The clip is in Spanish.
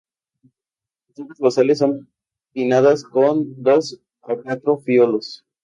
Las hojas basales son pinnadas con dos a cuatro foliolos.